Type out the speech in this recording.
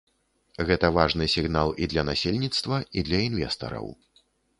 Гэта важны сігнал і для насельніцтва і для інвестараў.